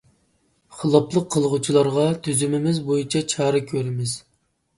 خىلاپلىق قىلغۇچىلارغا تۈزۈمىمىز بويىچە چارە كۆرىمىز.